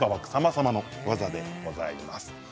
様々な技でございます。